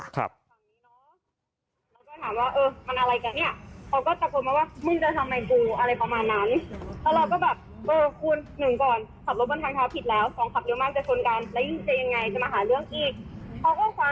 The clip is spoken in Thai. พลังถามว่ามันอะไรกันเนี่ยเขาก็จับตรงนี้ว่า